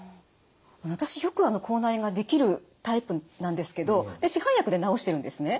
私よく口内炎ができるタイプなんですけど市販薬で治してるんですね。